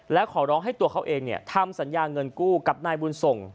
และขอร้องให้ตัวเขาเองทำสัญญาเงินกู้กับนายบุญส่ง